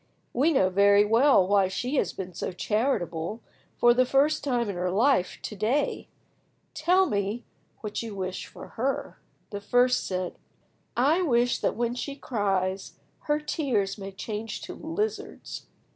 We know very well why she has been so charitable, for the first time in her life, to day. Tell me then what you wish for her." The first said— "I wish that when she cries her tears may change to lizards."